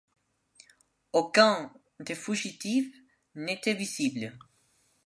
Aucun des fugitifs n’était visible.